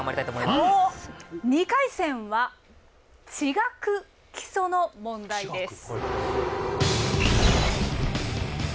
２回戦は「地学基礎」の問題です。